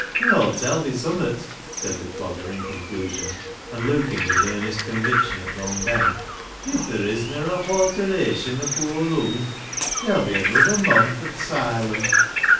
"An' Aw'll tell thi summat," said the C logger in conclusion, and looking with earnest con viction at Long Ben ;" if ther' isna a hawtera tion afoor lung, ther'll be anuther mon fur th' 'sylum."